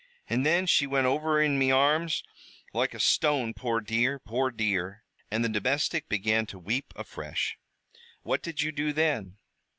An' thin she wint over in me arms loike a stone, poor dear, poor dear!" And the domestic began to weep afresh. "What did you do then?"